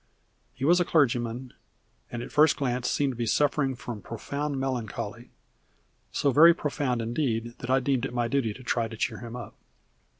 He was a clergyman, and at first glance seemed to be suffering from profound melancholy; so very profound indeed that I deemed it my duty to try to cheer him up.